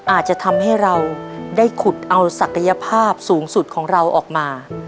อาจจะทำให้เราได้ขุดเอาศักยภาพสูงสุดของเราออกมา